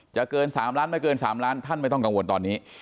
เกิน๓ล้านไม่เกิน๓ล้านท่านไม่ต้องกังวลตอนนี้